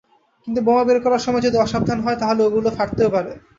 কিন্তু বোমা বের করার সময় যদি অসাবধান হয় তাহলে ওগুলো ফাটতেও পারে।